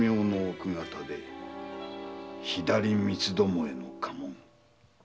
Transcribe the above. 「左三つ巴の家紋」。